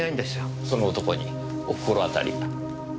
その男にお心当たりは？